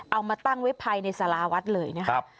เอามาตั้งไว้ภายในสาราวัดเลยนะครับ